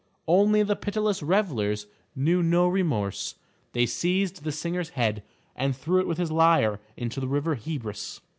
Only the pitiless revelers knew no remorse. They seized the singer's head and threw it with his lyre into the river Hebrus.